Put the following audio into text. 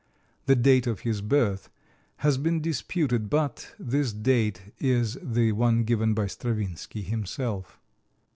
The date of his birth has been disputed, but this date is the one given by Stravinsky himself.